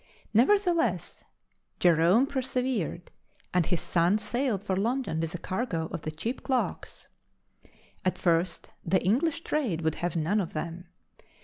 Nevertheless, Jerome persevered, and his son sailed for London with a cargo of the cheap clocks. At first, the English trade would have none of them.